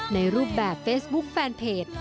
ในรูปแบบเฟซบุ๊คแฟนเพจ